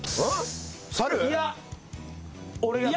いや俺が猿。